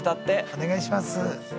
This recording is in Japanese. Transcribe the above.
お願いします。